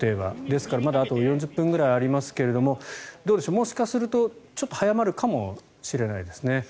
ですからあと４０分ぐらいありますけどももしかするとちょっと早まるかもしれないですね。